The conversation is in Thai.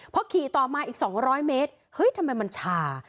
พอขี่ต่อมาอีก๒๐๐เมตรเฮ้ยทำไมมันชา